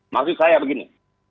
maksud saya begini